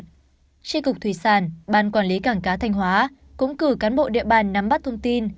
tri cục thủy sản ban quản lý cảng cá thanh hóa cũng cử cán bộ địa bàn nắm bắt thông tin